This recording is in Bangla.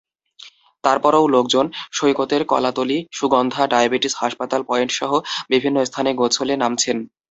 তারপরও লোকজন সৈকতের কলাতলী, সুগন্ধা, ডায়াবেটিস হাসপাতাল পয়েন্টসহ বিভিন্ন স্থানে গোসলে নামছেন।